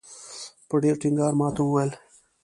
په ډېر ټینګار ماته وویل.